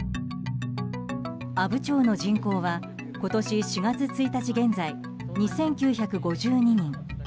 阿武町の人口は今年４月１日現在、２９５２人。